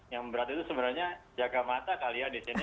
yang berat itu sebenarnya jaga mata kali ya di sini